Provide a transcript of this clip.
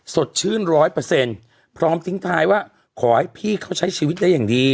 สดชื่นร้อยเปอร์เซ็นต์พร้อมทิ้งท้ายว่าขอให้พี่เขาใช้ชีวิตได้อย่างดี